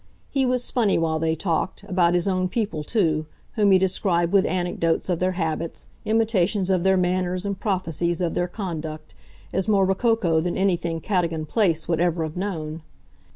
He was funny, while they talked, about his own people too, whom he described, with anecdotes of their habits, imitations of their manners and prophecies of their conduct, as more rococo than anything Cadogan Place would ever have known.